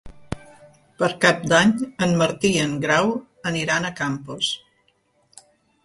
Per Cap d'Any en Martí i en Grau aniran a Campos.